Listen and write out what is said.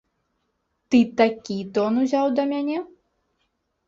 Ты такі тон узяў да мяне?